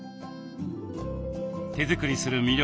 手作りする魅力